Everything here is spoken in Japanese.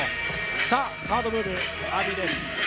サードムーブ、ＡＭＩです。